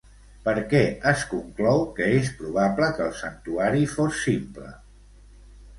Per què es conclou que és probable que el santuari fos simple?